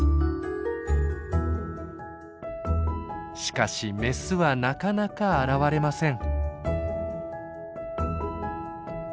しかしメスはなかなか現れません。